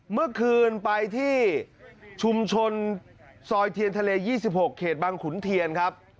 เมื่อคืนไปที่ชุมชนซอยเทียนทะเล๒๖เขตบางขุนเทียนครับ